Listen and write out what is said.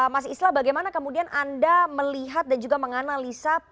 mas islah bagaimana kemudian anda melihat dan juga menganalisa